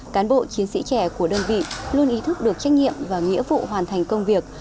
cán bộ chiến sĩ trẻ của đơn vị luôn ý thức được trách nhiệm và nghĩa vụ hoàn thành công việc